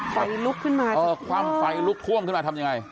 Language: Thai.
ไฟลุกขึ้นมาเออคว่ำไฟลุกท่วมขึ้นมาทำยังไง